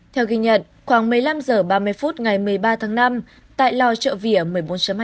theo ghi nhận khoảng một mươi năm h ba mươi phút ngày một mươi ba tháng năm tại lò chợ vỉa một mươi bốn hai